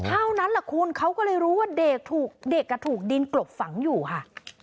เท่านั้นแหละคุณเขาก็เลยรู้ว่าเด็กถูกเด็กถูกดินกลบฝังอยู่ค่ะ